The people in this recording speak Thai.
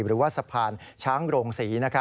หรือว่าสะพานช้างโรงศรี